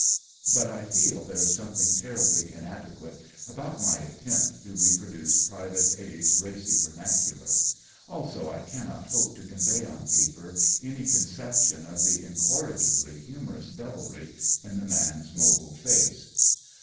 But I feel there is something terribly inadequate about my attempt to repro duce Pte. A 's rycy vernacular ; also I cannot hope to convey on paper any conception of the incorrigibly humorous devilry in the man's mobile face.